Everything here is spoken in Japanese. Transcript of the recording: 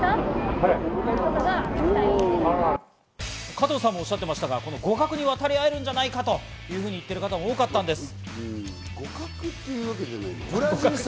加藤さんもおっしゃってましたが、互角に渡り合えるんじゃないかというふうに言ってる方も多かったんです。